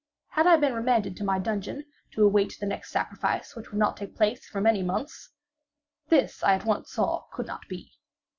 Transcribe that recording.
Had I been remanded to my dungeon, to await the next sacrifice, which would not take place for many months? This I at once saw could not be.